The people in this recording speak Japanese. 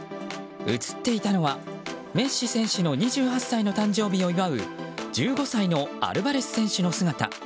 映っていたのはメッシ選手の２８歳の誕生日を祝う１５歳のアルヴァレス選手の姿。